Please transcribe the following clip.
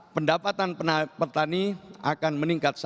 pendapatan pertani akan meningkat